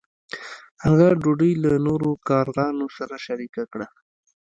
هغه ډوډۍ له نورو کارغانو سره شریکه کړه.